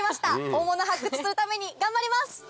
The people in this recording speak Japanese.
大物発掘するために頑張ります！